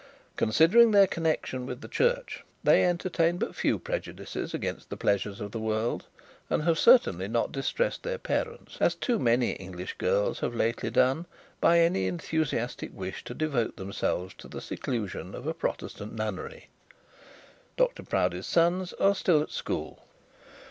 Considering their connection with the church, they entertain but few prejudices against the pleasures of the world; and have certainly not distressed their parents, as too many English girls have lately done, by any enthusiastic wish to devote themselves to the seclusion of a protestant nunnery. Dr Proudie's sons are still at school.